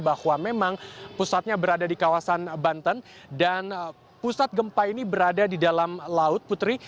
bahwa memang pusatnya berada di kawasan banten dan pusat gempa ini berada di dalam laut putri